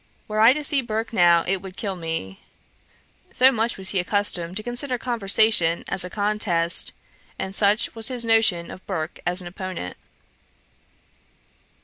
Were I to see Burke now it would kill me.' So much was he accustomed to consider conversation as a contest, and such was his notion of Burke as an opponent.